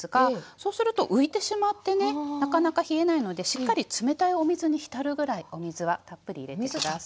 そうすると浮いてしまってねなかなか冷えないのでしっかり冷たいお水に浸るぐらいお水はたっぷり入れて下さい。